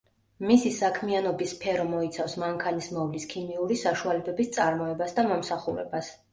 მისი საქმიანობის სფერო მოიცავს მანქანის მოვლის ქიმიური საშუალებების წარმოებას და მომსახურებას.